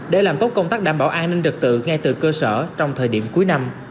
để làm tốt công tác đảm bảo an ninh trật tự ngay từ cơ sở trong thời điểm cuối năm